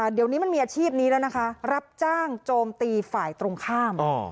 เดี๋ยวนี้มันมีอาชีพนี้แล้วนะคะรับจ้างโจมตีฝ่ายตรงข้าม